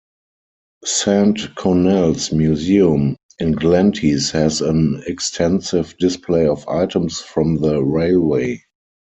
Saint Connell's Museum, in Glenties has an extensive display of items from the railway.